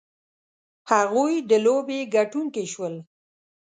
هغوی د لوبې ګټونکي شول.